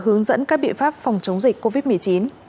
hướng dẫn các biện pháp phòng chống dịch covid một mươi chín